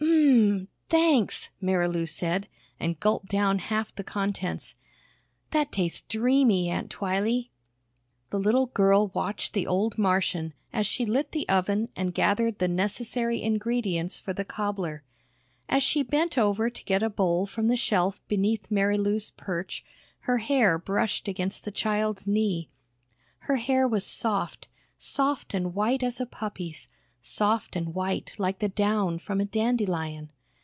"Ummm, thanks," Marilou said, and gulped down half the contents. "That tastes dreamy, Aunt Twylee." The little girl watched the old Martian as she lit the oven and gathered the necessary ingredients for the cobbler. As she bent over to get a bowl from the shelf beneath Marilou's perch, her hair brushed against the child's knee. Her hair was soft, soft and white as a puppy's, soft and white like the down from a dandelion.